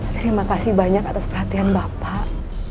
terima kasih banyak atas perhatian bapak